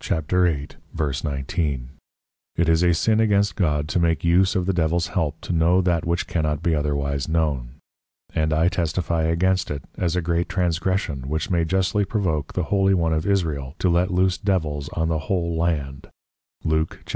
8.19._ It is a Sin against God to make use of the Devil's help to know that which cannot be otherwise known: And I testifie against it, as a great Transgression, which may justly provoke the Holy One of Israel, to let loose Devils on the whole Land, _Luke 4.35.